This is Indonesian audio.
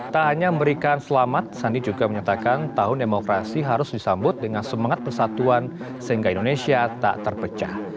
tak hanya memberikan selamat sandi juga menyatakan tahun demokrasi harus disambut dengan semangat persatuan sehingga indonesia tak terpecah